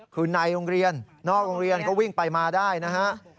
คือในโรงเรียนนอกโรงเรียนก็วิ่งไปมาได้นะฮะ